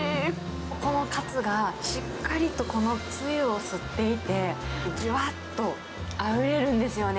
このカツがしっかりとこのつゆを吸っていて、じゅわっとあふれるんですよね。